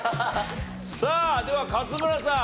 さあでは勝村さん。